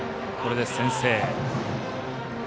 これで先制。